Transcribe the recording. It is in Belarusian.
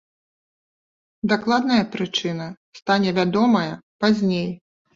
Дакладная прычына стане вядомая пазней.